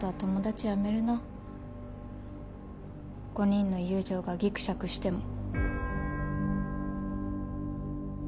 ５人の友情がギクシャクしても。